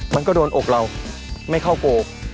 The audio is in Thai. มันก็โดนอกเราไม่เข้าโก